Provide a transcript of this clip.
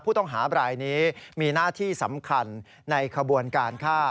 ผู้ต้องหาบรายนี้มีหน้าที่สำคัญในขบวนการฆ่า